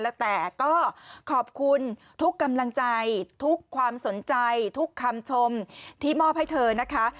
แล้วแต่ก็ขอบคุณทุกกำลังใจทุกความสนใจทุกคำชมที่มอบให้เธอนะคะ